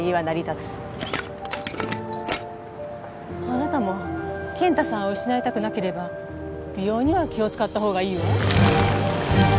あなたも健太さんを失いたくなければ美容には気を使った方がいいわ。